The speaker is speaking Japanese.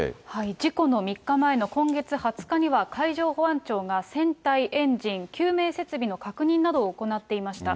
事故の３日前の今月２０日には、海上保安庁が船体、エンジン、救命設備の確認などを行っていました。